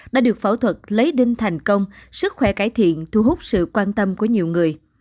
đã được phẫu thuật lấy đinh thành công sức khỏe cải thiện thu hút sự quan tâm của nhiều người